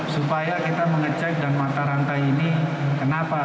supaya kita mengecek dan mata rantai ini kenapa